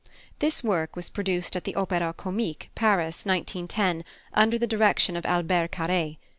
This work was produced at the Opéra Comique, Paris, 1910, under the direction of Albert Carré.